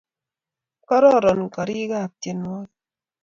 kororon karikab tienwogik